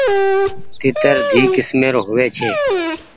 تيترۮي ڪسمير هووي ڇي۔